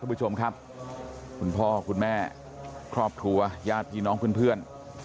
ผู้ชมครับคุณพ่อคุณแม่ครอบครัวญาติพี่น้องเพื่อน